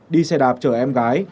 đi xe đạp chở em gái